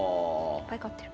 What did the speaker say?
いっぱい勝ってる。